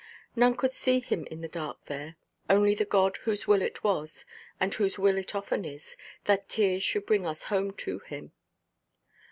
None could see him in the dark there, only the God whose will it was, and whose will it often is, that tears should bring us home to Him.